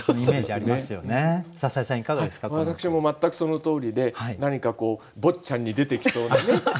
私も全くそのとおりで何か「坊っちゃん」に出てきそうなね